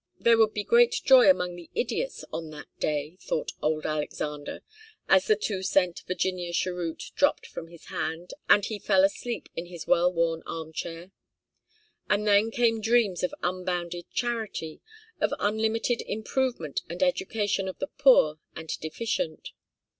There would be great joy among the idiots on that day, thought old Alexander, as the two cent 'Virginia cheroot' dropped from his hand, and he fell asleep in his well worn armchair. And then came dreams of unbounded charity, of unlimited improvement and education of the poor and deficient.